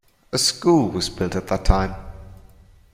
A school was built at that time.